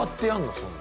そんな。